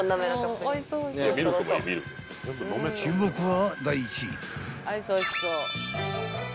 ［注目は］